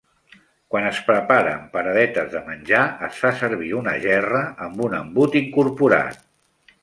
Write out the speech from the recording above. Quan es prepara en paradetes de menjar, es fa servir una gerra amb un embut incorporat.